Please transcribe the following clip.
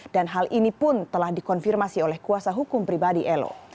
dan hal ini pun telah dikonfirmasi oleh kuasa hukum pribadi elo